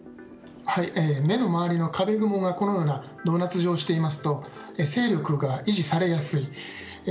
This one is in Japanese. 目の周りの壁雲がドーナツ状をしていますと勢力が維持されやすい。